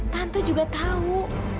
tante juga tahu